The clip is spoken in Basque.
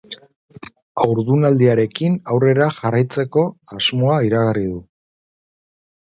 Haurdunaldiarekin aurrera jarraitzeko asmoa iragarri du.